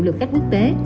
lượt khách quốc tế